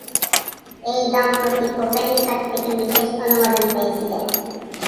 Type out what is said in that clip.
এই দম্পতির পোপের নিকট থেকে বিশেষ অনুমোদন পেয়েছিলেন।